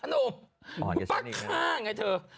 คุณป้าฆ่าไงเธอ